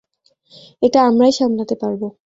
এটা আমরাই সামলাতে পারবো।